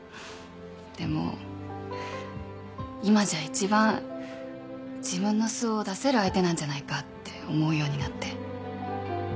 でも今じゃ一番自分の素を出せる相手なんじゃないかって思うようになって。